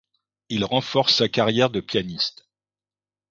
Il renforce sa carrière de pianiste.